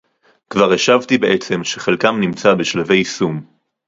כבר השבתי בעצם שחלקם נמצא בשלבי יישום